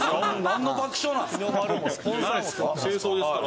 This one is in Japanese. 何の爆笑なんすか？